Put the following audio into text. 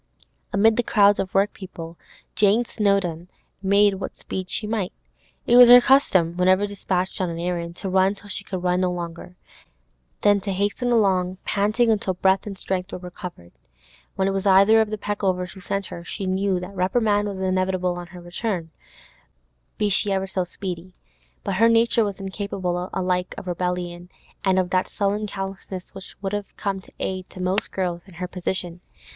Amid the crowds of workpeople, Jane Snowdon made what speed she might. It was her custom, whenever dispatched on an errand, to run till she could run no longer, then to hasten along panting until breath and strength were recovered. When it was either of the Peckovers who sent her, she knew that reprimand was inevitable on her return, be she ever so speedy; but her nature was incapable alike of rebellion and of that sullen callousness which would have come to the aid of most girls in her position.